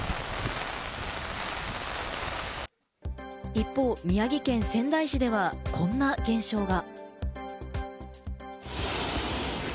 一方、宮城県仙台市では、こんな現象が。